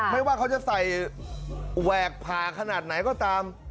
ไม่ว่าเขาจะใส่แหวกผ่าขนาดไหนก็ตาม